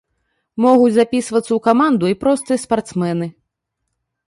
Могуць запісвацца ў каманду і простыя спартсмены.